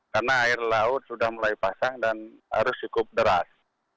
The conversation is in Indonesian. karena air laut sudah mulai pasang dan harus cukup deras